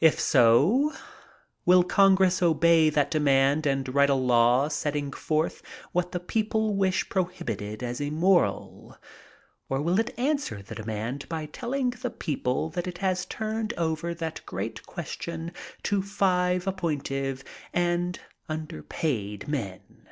If so, will G>n gress obey that demand and write a law setting forth what the people wish prohibited as immoral, or will it answer the demand by telling the people that it has turned over that great question to five appointive and underpaid men?